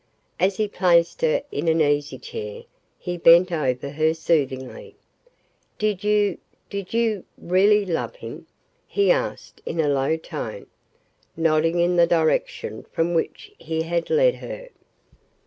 As he placed her in an easy chair, he bent over her, soothingly. "Did you did you really love him?" he asked in a low tone, nodding in the direction from which he had led her.